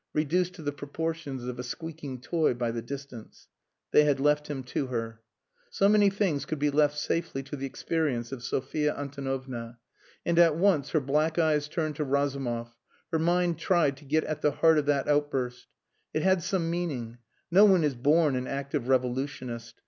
reduced to the proportions of a squeaking toy by the distance. They had left him to her. So many things could be left safely to the experience of Sophia Antonovna. And at once, her black eyes turned to Razumov, her mind tried to get at the heart of that outburst. It had some meaning. No one is born an active revolutionist.